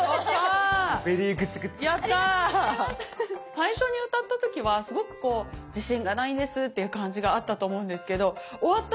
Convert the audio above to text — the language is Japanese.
最初に歌った時は「すごくこう自信がないんです」っていう感じがあったと思うんですけど終わった